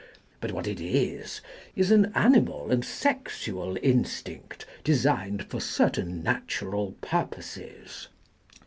But what it is is an animal and sexual in stinct designed for certain natural pur poses."